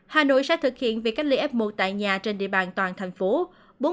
hà nội sẽ thực hiện việc cách ly f một tại nhà trên địa bàn toàn thành phố